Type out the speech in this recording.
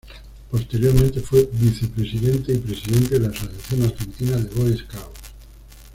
Posteriormente fue vicepresidente y presidente de la Asociación Argentina de Boy Scouts.